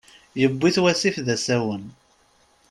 Yewwi-t wasif d asawen.